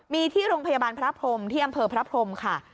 มีที่โรงพยาบาลพระพรมที่อำเภอพระพรมค่ะ